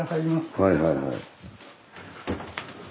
はいはいはい。